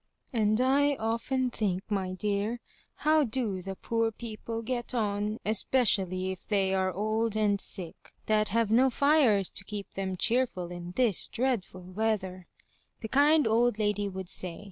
" And I often think, my dear, how do the poor people get on, especially if they are old and sick, that have no fires to keep them cheerful in this dreadful weather," the kind old lady would say.